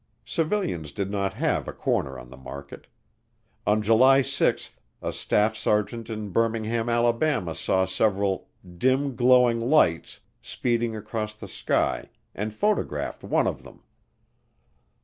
Civilians did not have a corner on the market. On July 6 a staff sergeant in Birmingham, Alabama, saw several "dim, glowing lights" speeding across the sky and photographed one of them.